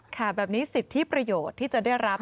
ค่ะแบบนี้สิทธิประโยชน์ที่จะได้รับ